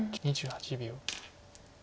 ２８秒。